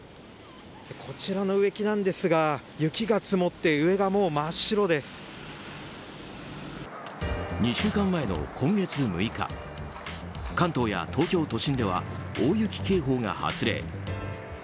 こちらの植木なんですが雪が積もって２週間前の今月６日関東や東京都心では大雪警報が発令。